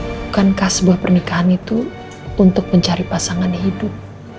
bukankah sebuah pernikahan itu untuk mencari pasangan yang hidup